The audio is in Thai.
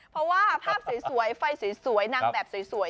เพราะว่าภาพสวยไฟสวยนางแบบสวย